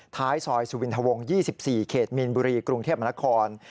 ท้ายซอยสุวินทวง๒๔เขตมีนบุรีกรุงเทพมนาคม